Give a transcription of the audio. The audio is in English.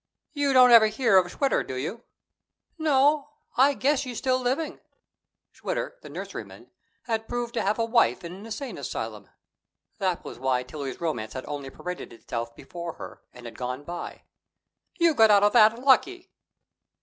"You don't ever hear of Schwitter, do you?" "No; I guess she's still living." Schwitter, the nurseryman, had proved to have a wife in an insane asylum. That was why Tillie's romance had only paraded itself before her and had gone by. "You got out of that lucky."